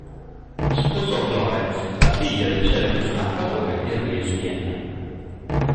Sposò Florence, la figlia del celebre stampatore Henri Estienne.